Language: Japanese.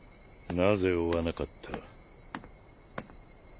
なぜ追わなかった？